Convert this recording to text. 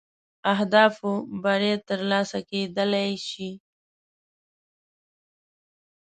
اهدافو بری تر لاسه کېدلای شي.